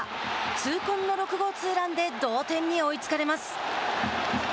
痛恨の６号ツーランで同点に追いつかれます。